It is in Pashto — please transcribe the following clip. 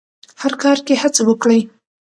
هر کار کې هڅه وکړئ.